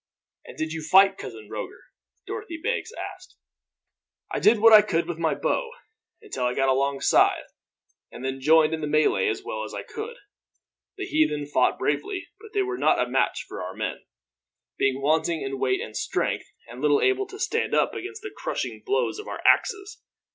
"And did you fight, Cousin Roger?" Dorothy Beggs asked. "I did what I could with my bow, until I got alongside, and then joined in the melee as well as I could. The heathen fought bravely, but they were not a match for our men; being wanting in weight and strength, and little able to stand up against the crushing blows of our axes.